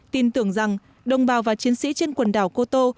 tin tưởng rằng đồng bào và chiến sĩ trên quần đảo cô tô